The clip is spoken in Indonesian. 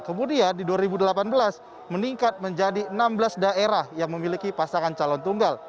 kemudian di dua ribu delapan belas meningkat menjadi enam belas daerah yang memiliki pasangan calon tunggal